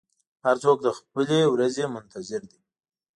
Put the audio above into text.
هر څوک د خپلې ورځې منتظر دی.